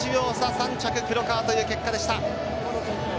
３着、黒川という結果でした。